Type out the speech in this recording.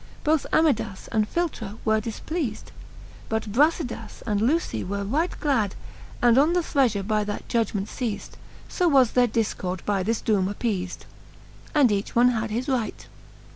Both Amidas and Philtra were difplealed : But Bracidas and Lucy were right glad. And on the threafure by that judgment leafed. So was their dilcord by this doome appealed. And each one had his right.